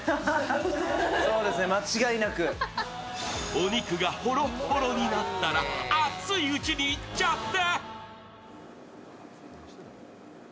お肉がホロホロになったら熱いうちにいっちゃって！